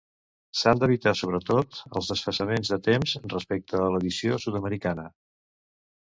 S'han d'evitar sobretot els desfasaments de temps respecte a l'edició sud-americana.